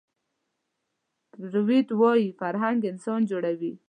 فروید وايي فرهنګ انسان جوړوي